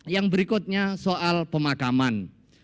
yang berikutnya soal pemakaman